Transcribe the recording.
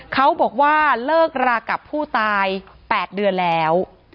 เขาบอกว่าเลิกรากับผู้ตาย๘เดือนแล้ว